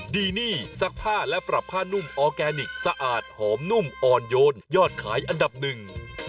ดีนี่ซักผ้าและปรับผ้านุ่มออร์แกนิคสะอาดหอมนุ่มอ่อนโยนยอดขายอันดับหนึ่ง